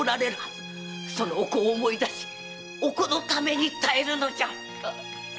そのお子を思い出しお子のために耐えるのじゃ！